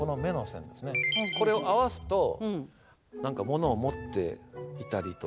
これを合わすと何か物を持っていたりとか。